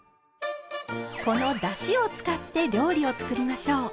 このだしを使って料理を作りましょう。